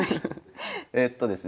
えっとですね